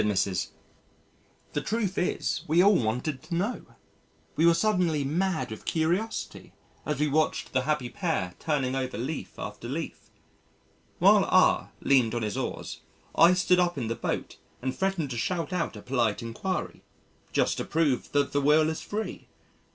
The truth is we all wanted to know. We were suddenly mad with curiosity as we watched the happy pair turning over leaf after leaf. While R leaned on his oars, I stood up in the boat and threatened to shout out a polite enquiry just to prove that the will is free.